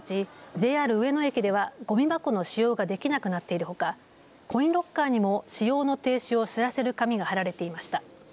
ＪＲ上野駅ではごみ箱の使用ができなくなっているほかコインロッカーにも使用の停止を知らせる紙が張られていました。